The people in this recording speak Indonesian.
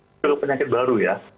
itu penyakit baru ya